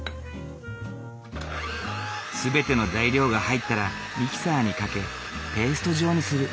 全ての材料が入ったらミキサーにかけペースト状にする。